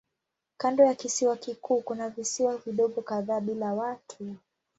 Kando ya kisiwa kikuu kuna visiwa vidogo kadhaa bila watu.